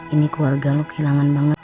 ini keluarga lo kehilangan banget